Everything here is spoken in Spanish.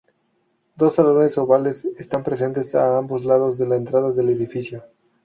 Dos salones ovales están presentes a ambos lados de la entrada del edificio.